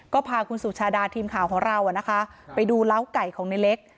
ก็พาคุณสุชาดาทีมข่าวของเราไปดูเล้าไก่ของในเล็ก